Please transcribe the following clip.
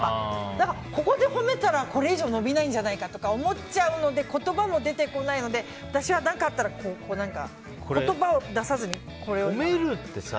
だから、ここで褒めたらこれ以上伸びないんじゃないかとか思っちゃうので言葉も出てこないので私は何かあったら言葉を出さずに褒めるってさ